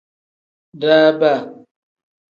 Daaba.